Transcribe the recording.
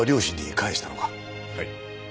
はい。